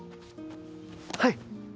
はい。